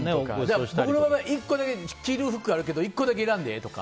僕の場合１個だけ着る服あるけど１個だけいらんでとか。